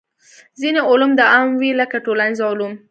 ځینې علوم عام وي لکه ټولنیز علوم.